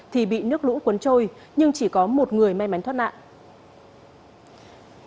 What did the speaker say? thì bị nước lũ cuốn trôi nhưng chỉ có một người may mắn thoát nạn